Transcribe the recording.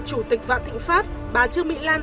chủ tịch vạn thịnh pháp bà trương mỹ lan